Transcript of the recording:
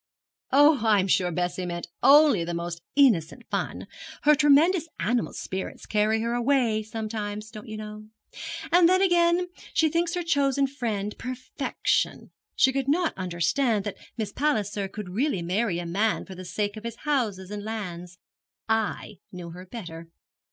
'Oh, I am sure Bessie meant only the most innocent fun; her tremendous animal spirits carry her away sometimes, don't you know. And then, again, she thinks her chosen friend perfection. She could not understand that Miss Palliser could really marry a man for the sake of his houses and lands. I knew her better.'